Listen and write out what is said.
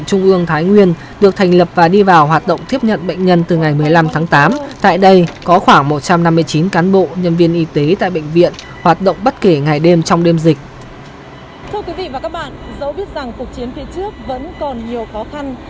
thưa quý vị và các bạn dẫu biết rằng cuộc chiến phía trước vẫn còn nhiều khó khăn